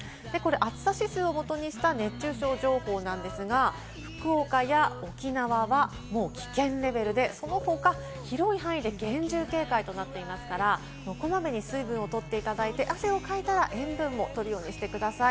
暑さ指数を基にした情報なんですが、福岡や沖縄はもう危険レベルでその他広い範囲で厳重警戒となっていますから、こまめに水分をとっていただいて、汗をかいたら塩分もとるようにしてください。